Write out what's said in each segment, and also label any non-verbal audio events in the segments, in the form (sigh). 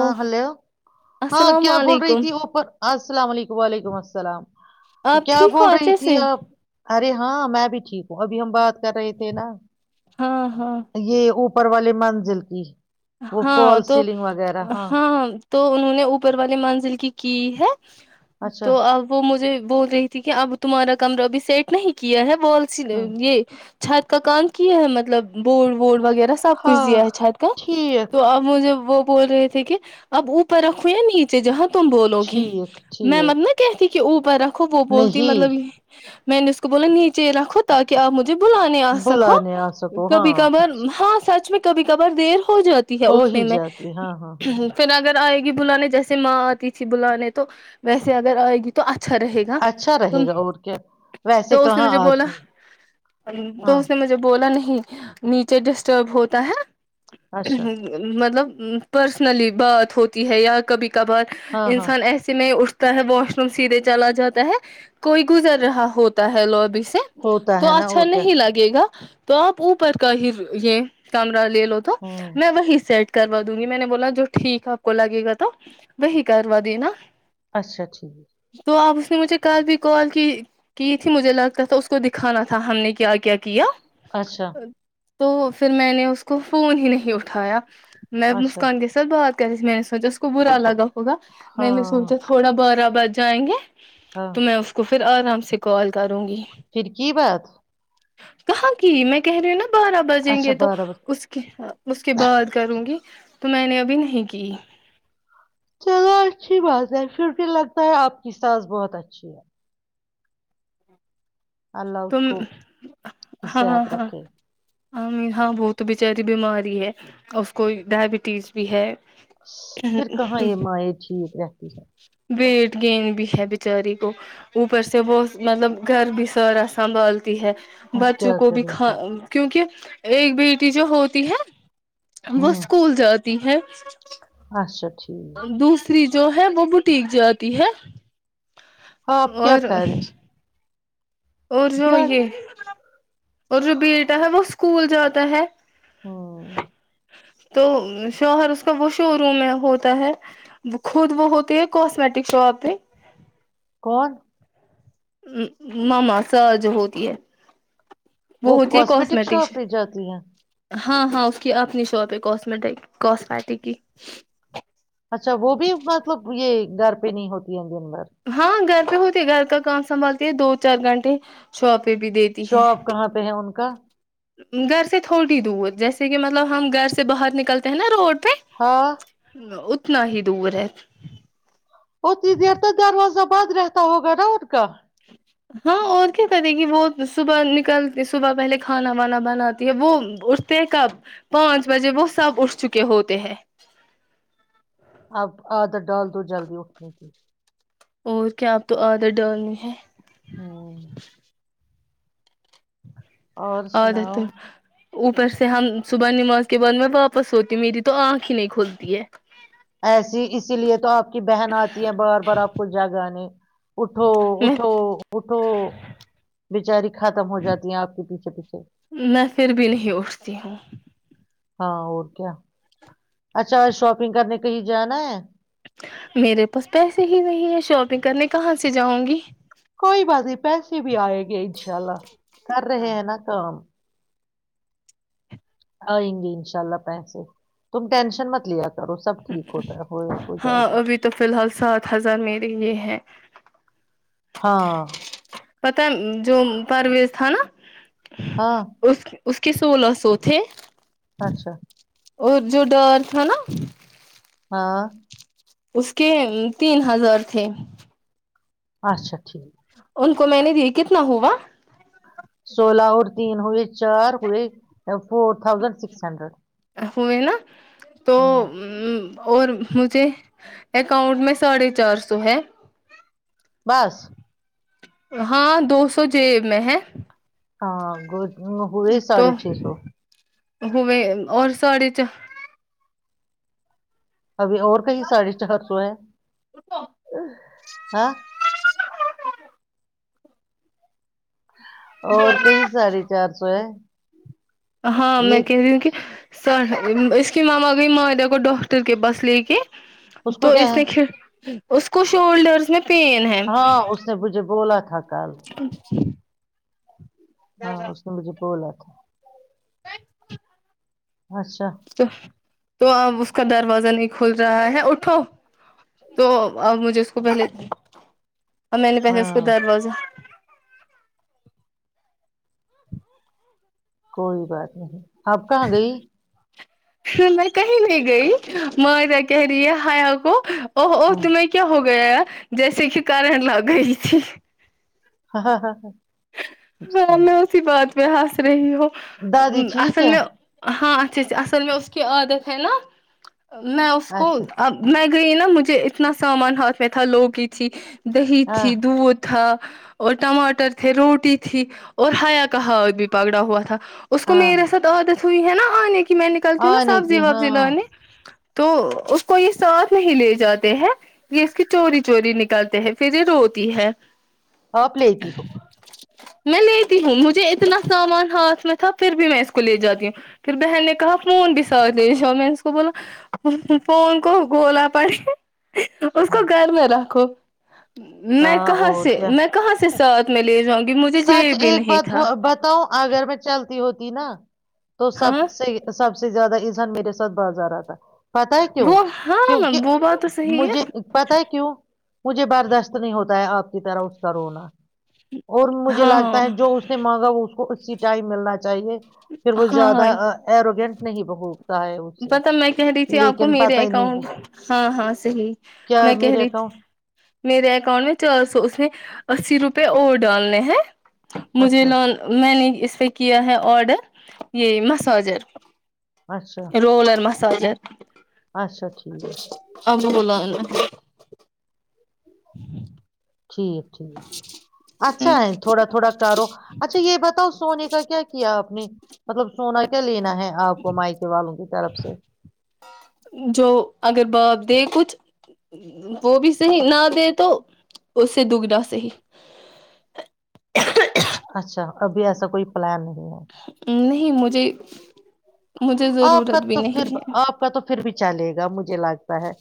او hello ہاں السلام کیا بول رہی علیکم تھی اوپر آج السلام علیکم و علیکم السلام آپ کیا ٹھیک ہو بول رہی اچھے تھی سے آپ ارے ہاں میں بھی ٹھیک ہوں ابھی ہم بات کر رہے تھے نا ہاں ہاں یہ اوپر والے منزل کی وہ فال سیلنگ وغیرہ ہاںاں تو انہوں نے اوپر والے منزل کی کی ہے اچھا تو اب وہ مجھے بول رہی تھی کہ اب تمہارا کمرہ اب سیٹ نہیں کیا ہے بسیے ہاں یہ چھات کا کام کیا ہے مطلب بورڈ ووٹ وغیرہ سب کچھ ہاں دیا ہے چھت کا ٹھیک تو اب مجھے وہ بول رہے تھے کہ اب اوپر رکھو یا نیچے جہاں تم بولو گی ٹھیک میں مت ٹھیک نہ کہتی کہ اوپر خوب وہ بولتی مطلب نہیں یہ میں نے اس کو بولا نیچے رکھو تاک آپ مجھے بلاان نہیں آ سکو بلانے آ سکو ہاں کبھی کبھار اچھا ہاں سچ میں کبھی خبر دیر ہو جاتی ہے ہو اٹھنے ہی میں جاتی ہاں ہاں ہاں ہاں پھر اگر آئے بلاان جیسے ماں آتی تھی بلانے تو ویسے اگر آئے گی تو اچھا اچھا رہے گا اچھا رہے ت گا اور کیا ویسے تو اس نے کہاں مجھے آ بولا ہاں تو اس نے مجھے بولا نہیں نیچر ڈسٹرب ہوتا ہے اچھا مطلب پرسنلی بات ہوتی ہے یا کبھی کبھار ہاں ہاں انسان ایسے میں اٹھتا واش روم سیدھے چلا جاتا ہے کوئی گزر رہا ہوتا ہے لوبی سے ہوتا تو ہے نا اچھا اور کیا نہیں لگے گا تو آپ اوپر کا ہی یہ کام ل ل تو ہوں سیٹ کروا دوں گی میں نے بولا جو ٹھیک آپ کو لگے گا تو وہی کروا دینا اچھا ٹھیک ہے تو اب اس نے مجھے کل بھی کال کی کی تھی مجھے لگتا تھا اس کو دکھانا تھا ہم نے کیا کیا کی اچھا ہے تو پھر میں نے اس کو فون ہی نہیں اٹھا تھایا میں اچھا مسکان کے ساتھ بات میں نے سوچا اس کو برا لگا ہوگا میں نے ہاں سوچا تھوڑا برا باز جائیں گے ہاں تو میں اس کو پھر آرام سے کال کر پھر کی بات کہاں کی میں کہہ رہی ہوں نا بارہ بجیں اچھا گے تو بارہ بجے اس کے اس کے بعد کروں گی تو میں نے ابھی نہیں کی چلو اچھی بات ہے پھر بھی لگ تا ہے آپ کی سس بہت اچھی ہے اللہ اس تم کو ح صحت رکھے ام ہاں بہت بچاری بیماری ہے اس کو ڈائبٹیز بھی ہے پھر کہاں یہ ماں یہ ٹھیک رہ جی سر ویٹ گین بھی ہے بچاری کو اوپر سے بہت مطلب گھر بھی سارا سنبھال ہے ہم بچوں کیا کو بھی کریں کا گے کیونکہ ایک بیٹی جو ہوتی ہے وہ ہاں اسکول جات ہے اچھا ٹھیک دوسری جو ہے وہ بٹیک جاتی ہے ہاں آپ کیا اور کر رہے اور جو یہ اور جو بیٹا ہے وہ اس اسکول جاتا ہے ہ تو شوہر اس کا وہ شو روم ہے ہوتا ہے خود وہ ہوتی ہے کاسمیٹک شاپ میں کون ا ماما سر جو ہوتی ہے وہ کاسمیٹک شاپ پ جاتی ہیں ہاں ہاں اس کی اپنی شاپ ہے کاسمیٹک کاسمیٹک کی اچھا وہ بھی مطلب یہ گھر پہ نہیں ہوتا دین بار ہاں گھر ہوتی ہے گھر کا کام سنبھالتی ہے دو چار گھنٹے شاپ پہ بھی دیتی ہے شاپ کہاں پہ ہیں ان کا گھر سے تھوڑی دور جیسے کہ مطلب ہم گھر سے باہر نکلتے ہیں نا روڈ ہاں (inaudible) اتنا ہی دور ہے اتنی دیر تو دروازہ بعد رہتا ہوگا نا ان کا ہاں اور کیا کہتے کہ وہ صبح نکل صبح پہلے کھانا وانا بناتی ہے وہ اٹھتے ہیں کب پانچ بجے وہ سب اٹھ چکے ہوتے ہے اب آدر ڈال دو جلدی اٹھنے کی اور کیا آپ تو عادت ڈالنی ہے ہوں اور سناؤ عادت اوپر سے ہم صبح نماز کے بعد میں واپس ہوتی ہوں میری تو آنکھ ہی نہیں کھلتی ہے ایسی اسی لیے تو آپ کی بہن آتی ہے بار بار آپ کو جگانے اٹھو میں اٹھو اٹھو بچاری میں پھر بھی نہیں اٹھتی ہوں ہاں اور کیا اچھا اور شاپنگ کرنے کے ہی جانا ہے میرے پاس پیسے ہی نہیں ہے شاپنگ کرنے کہاں سے جاؤں گی کوئی بات نہیں پیسے بھی آئے گئے انشاء اللہ کر رہے ہیں نا کام آئیں گے انشاء اللہ پیسے تم ٹینشن مت لیا کرو سب ہ ٹھیک ہوتا ہے ہو ہو جائے ہاں گا ابھی تو فی الحال سات ہزار میرے یہ ہے ہاں پتہ جو پرویز تھا نا ہاں اس اس کے سولہ سو تھے اچھا اور جو ڈر تھا ہے نا ہاں اس کے تین ہزار تھے (unintelligible) اچھا ٹھیک ہے (unintelligible) ان کو میں نے د کتنا ہوا (unintelligible) سولہ اور تین ہوئے چار ہوئے (unintelligible) فور تھاؤزنڈ سکس ہنڈریڈ ہوئی نا (unintelligible) تو (unintelligible) اور مجھے اکاؤنٹ میں ساڑھے چار سو ہے بس (inaudible) ہاں دو سو ج میں ہے ہاں گ (unintelligible) ہوئے ساھے چھ سو ہوو اور ساڑے چ (unintelligible) اب اور کہئی ساڑھے چار سو ہے آ (inaudible) (inaudible) اور کئی ساڑھے چار سو ہے ہاں یہ میں کہہ رہی ہوں کہ اس کے ماما کو بھی معاہدے کو ڈاکٹر کے بس لے کے تو کو کیا اس ہے نے ک اس کو شولڈرس میں پین ہے ہاں اس نے مجھے بولا تھا کل ہاں اس نے مجھے بولا ہے اچھا تو تو اب اس کا دروازہ نہیں کھل رہا ہے اٹھو تو مجھے خوبل (unintelligible) اور میں نے پیسے اس کو ہاں در روزہ کوئی بات نہیں آپ کہاں گئی میں کہیں نہیں گئی ماں جا کہہ رہی ہے ہیا کو او ہاں تمہیں کیا ہوا جیسے شکار ہیں لگ گئی ہاں ہاں ہاں ہاں ہاں میں اسی بات میں حس رہیوں دادی ٹھیک اصل ہے میں ہاں اصل میں اس کی عادت ہے نا میں اس کو اچھا اب میں نا مجھے اتنا سامان ہاتھ میں تھا لوگ کی تھی دہی ہاں تھی دود تھا اور ٹماٹر روٹی تھی اور ہایا کہا اور بھی پکڑا ہوا تھا اس کو ہاں میرے ساتھ عادت تھو ہے نا میں نکلتی ہوں نا آنے سبزی کی وبزی ہاں لگنے تو اس کو یہ ساتھ نہیں لے جاتے ہیں یہ اس کی چوری چوری نکلتے ہیں پھر یہ روتی ہے آپ لےتی ہو میں لیتی ہوں مجھے اتنا سامان ہاتھ میں تھا پھر بھی میں اس کو لے جاتی ہوں پھر بہن نے کہا فون بھی س میں اس کو بولا فون کو گولا پڑ اس کو گھر میں رکھو میں ہاں کہاں اور سے کیا میں کہاں سے (inaudible) میں لے جااں سچ ایک بات بتاؤں اگر میں چلتا ہوتی نا تو ہاں سب صحی سب سب سے زیادہ ایزان میرے ساتھ باز آ رہا تھا پتا ہے کیوں وہ ہاں کیوںک وہ بات تو صحیح مجھے ہے پت ہے کیوں مجھے برداشت نہیں ہوتا ہے آپ کی طرح اس کا رونا اور مجھے ہاں لگتا ہے جو اس نے مانگا وہ اس کو اس ٹائم ملنا چاہیے پھر وہ زیادہ ہاں ایروگینٹ نہیں بہو پتا میں کہہ رہی تھی آپ کو میرے پتا ہی اکاؤنٹ نہیں ہاں ہاں صحیح کیا میں کہہ میرے رہی تھی اکاؤنٹ میرے اکاؤنٹ میں چار سو اس میں اسی روپے اور ڈالنے ہیں مجھے اچھا لون میں نے اس پہ کیا ہے آڈر یہ مساجر اچھا روولر م سوولت اچھا ٹھیک ہے. اب ب لال (inaudible) ہ ٹھیک ٹھیک اچھا ہے تھوڑا تھوڑا کرو اچھا یہ بتاؤ سونے کا کیا کیا آپ اپنی مطلب سونا کیا لینا ہے آپ کو مائکے والوں کی طرف سے جو اگر بپ دے کچھ وہ بھی صحی نہ دے تو اس سے دگنا صحیح اچھا ابھی ایسا کوئی پلان نہیں ہے نہیں مجھے مجھے آپ کا ضرورت بھی تو پھر نہیں ہے آپ کا تو پھر بھی چلے گا مجھے لگتا ہے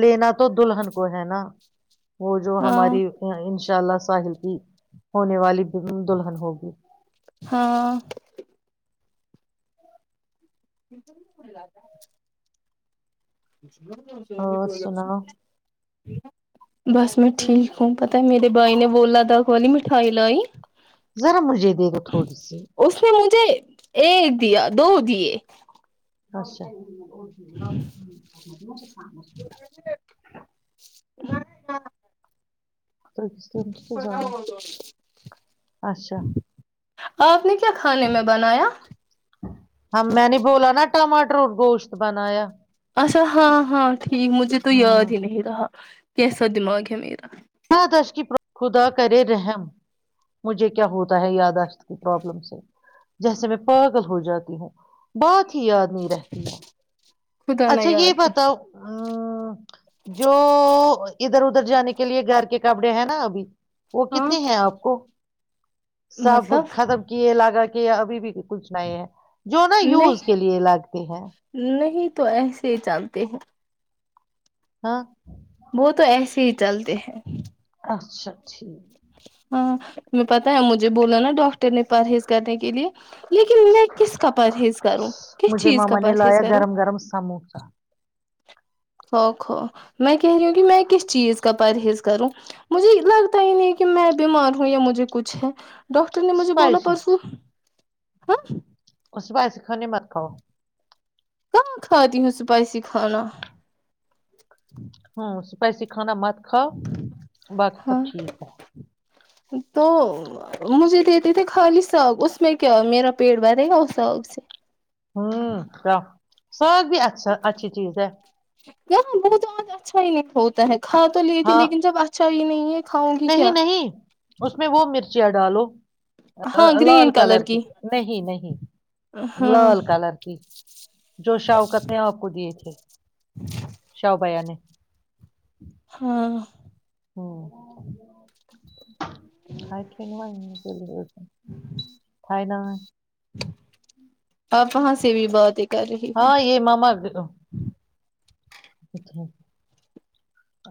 لینا تو دلہلہن کو ہے نا وہ جو ہاں ہماری شا ساحل کی ہونے والی بن دلہن ہوگی ہاں ب تھا ہ س پ اور گ سناؤ بس میں ٹھیک ہوں پتا میرے بھائی نے وولا داغ والی مٹھائی لائی ذرا مجھے دے دو تھوڑی سی اس نے ایک دیا دو د اچھا ا مجھے س نہیں ا کس دن تو تو جا اچھا آپ نے کیا کھانے میں بنایا ہاں میں نہیں بولا نا ٹماٹر گوشت بنایا اچھا ہاں ہاں ٹھیک مجھے تو یاد ہاں ہی نہیں رہا کیسا دماغ ہے میرا یاداشت کی خدا کرے رحم مجھے کیا ہوتا ہے یاداشت کی پرابلم سے جیسے میں پاگل ہو جاتی ہوں بات یادنی رہتی ہے خدا نہ اچھا یہ یاد بتاؤ ا جو ادھر ادھر جانے کے کے لیے گھر کے کپڑے ہیں نا ابھی وہ ہاں کتنے ہیں آپ کو سب مطلب ختم کیے لاگا ابھی بھی بالکل سناائے ہے جو نا یوز کے لیے لگتے ہیں نہیں نہیں تو ایسے ہی جانتے ہیں ہاں وہ تو ایسے ہی چلتے ہیں اچ سکچی ہاں پتاہ ہے مجھے بولا نا ڈاکٹر نے پرہیز کرنے کے لیے لیکن میں کس کا پرہیز کروں کس مجھے چیز کا ماما نے پرہیز لایا کروں گرم گرم سموسا خو خو میں کہہ رہی ہوں کہ میں کس چیز کا پرہیز کروں مجھے لگتا ہی نہیں کہ میں بیمار ہوں یا مجھے کچھ ہے ڈاکاکٹر نے مجھے بولا اسپائسی پسو ہاں کچ بس نے مت کاؤ کھااتی ہوں سپائسی کھانا ہوں سپائسیی کانا مست رکھا باقی سب ہاں ٹھیک ہے تو مجھے دیتے تھے خالی ساگ اس میں کیا میرا پیٹ بھرے گا اس ساق سے ہوں کیا ساگ بھی اچھا اچھی چیز ہے یہ بہت آج اچھا ہی نہیں کھوتا ہے کھا تو لیے تھی ہاں لیکن جب اچھا ہی نہیں ہے کھاؤں گی نہیں کیا نہیں اس میں وہ مرچیاں ڈالو لال کلر کی نہیں نہیں ہاں لال کلر کی جو شوکت نے آپ کو دیے تھے شاہ بیا نے ہاں ہ کائے ک ن چل کائے نہ میں آپ وہاں سے بھی بہت ایک ہاں یہ ماما اچھا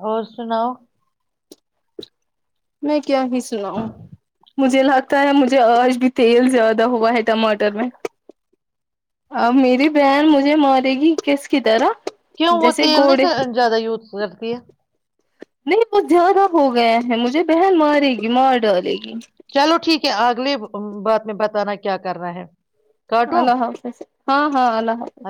اور سناؤ میں کیا ہی سنا ہوں مجھے لگتا ہے مجھے آج بھی تیل زیادہ ہوا ہے ٹماٹر میں اور میری بہن مجھے م تگی کیسک دارا کیوں وہ تیل نہیں زیادہ یوز پجٹتی ہے نہیں بہت زیادہ ہو گیا ہے مجھے بہن مارے گی مار ڈالے گی نے بتانا کیا کر رہنا ہے کاٹو اللہ حافظ ہاں ہاں اللہ حافظ